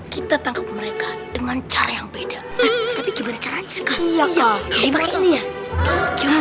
kita tangkap mereka dengan cara yang beda tapi gimana caranya